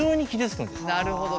なるほど。